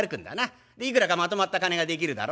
でいくらかまとまった金が出来るだろ？